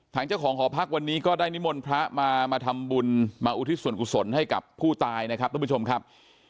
ทางเจ้าของหอพักวันนี้ก็ได้นิมนต์พระมามาทำบุญมาอุทิศส่วนกุศลให้กับผู้ตายนะครับทุกผู้ชมครับ